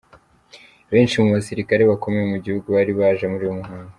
Benshi mu basirikare bakomeye mu gihugu bari baje muri uyu muhango.